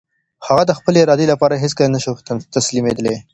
هغه د خپلې ارادې لپاره هېڅکله نه شو تسليمېدلی.